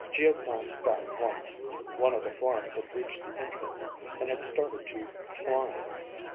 Geo glanced back once; one of the forms had reached the entrance and had started to climb.